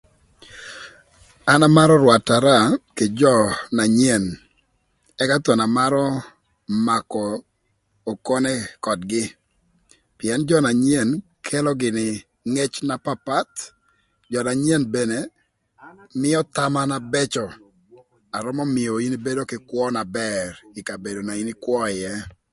An amarö rwatara kï jö na nyen ëka thon amarö makö okone ködgï, pïën jö na nyen kelo gïnï ngec na papath, jö na nyen mene mïö thama na bëcö na römö mïö in ibedo kï kwö na bër ï kabedo na in ïkwö ïë.